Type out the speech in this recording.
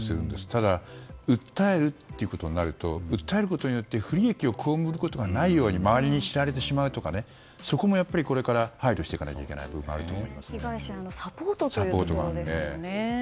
ただ、訴えるということになると訴えることによって不利益をこうむることがないように周りに知られてしまうとかそこもやっぱり、これから配慮しなければいけない部分が被害者へのサポートということですよね。